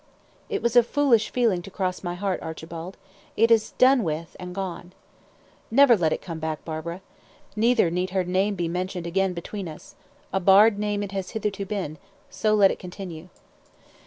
"It was a foolish feeling to cross my heart, Archibald. It is done with and gone." "Never let it come back, Barbara. Neither need her name be mentioned again between us. A barred name it has hitherto been; so let it continue."